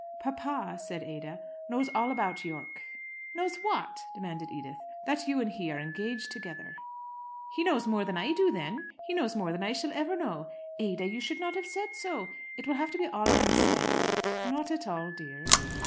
"Papa," said Ada, "knows all about Yorke." "Knows what?" demanded Edith. "That you and he are engaged together." "He knows more than I do, then. He knows more than I ever shall know. Ada, you should not have said so. It will have to be all unsaid." "Not at all, dear."